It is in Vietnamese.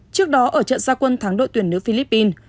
trước đó ở trận gia quân thắng đội tuyển nữ philippines